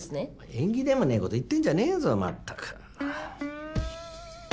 縁起でもねえ事言ってんじゃねえぞまったく。